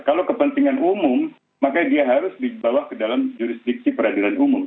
kalau kepentingan umum maka dia harus dibawa ke dalam jurisdiksi peradilan umum